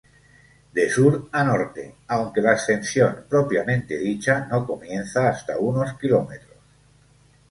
De Sur a Norte, aunque la ascensión propiamente dicha no comienza hasta unos km.